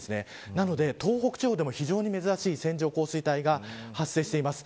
なので、東北地方でも非常に珍しい線状降水帯が発生しています。